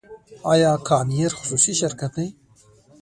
آیا کام ایر خصوصي شرکت دی؟